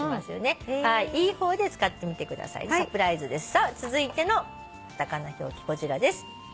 さあ続いてのカタカナ表記こちらです。